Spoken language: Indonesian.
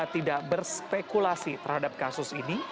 tidak berspekulasi terhadap kasus ini